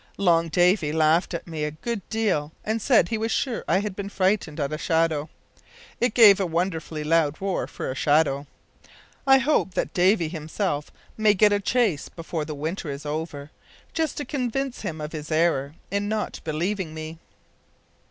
Long Davy laughed at me a good deal, and said he was sure I had been frightened at a shadow. It gave a wonderfully loud roar for a shadow! I hope that Davy himself may get a chase before the winter is over, just to convince him of his error in not believing me!"